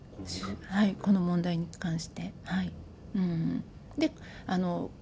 この問題に関して。